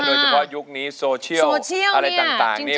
โดยเฉพาะยุคนี้โซเชียลอะไรต่างนี่